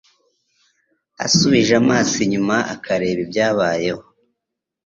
asubije amaso inyuma akareba ibyabayeho